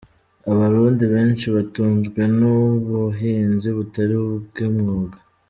Abarundi benshi batunzwe n’ ubuhinzi butari ubw’ umwuga.